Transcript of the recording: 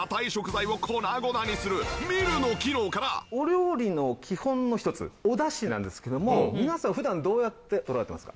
まずはかたいお料理の基本の一つお出汁なんですけども皆さん普段どうやってとられてますか？